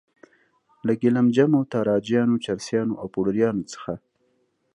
له ګیلم جمو، تاراجیانو، چرسیانو او پوډریانو څخه.